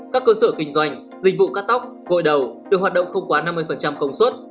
các cơ sở kinh doanh dịch vụ cắt tóc gội đầu được hoạt động không quá năm mươi công suất